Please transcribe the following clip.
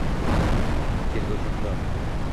Tergovchi — xudo.